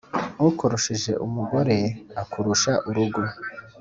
ukurushije umugore akurusha urugo.